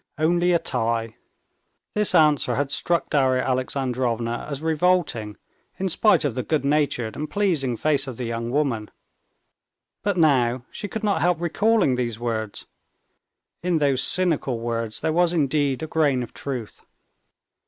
Only a tie." This answer had struck Darya Alexandrovna as revolting in spite of the good natured and pleasing face of the young woman; but now she could not help recalling these words. In those cynical words there was indeed a grain of truth.